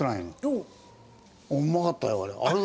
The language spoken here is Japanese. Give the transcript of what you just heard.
うまかったよあれ。